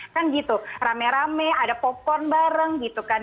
kan gitu rame rame ada popon bareng gitu kan